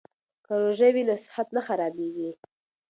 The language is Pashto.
که روژه وي نو صحت نه خرابیږي.